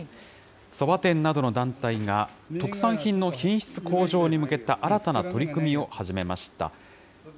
そば店などの団体が、特産品の品質向上に向けた新たな取り組みを始めました。